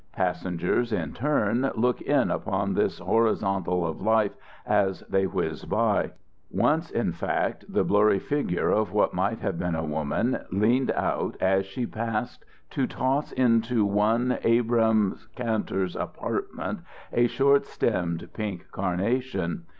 Passengers, in turn, look in upon this horizontal of life as they whiz by. Once, in fact, the blurry figure of what might have been a woman leaned out as she passed to toss into one Abrahm Kantor's apartment a short stemmed pink carnation.